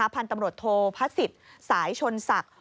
พันธุ์ตำรวจโทพระศิษย์สายชนศักดิ์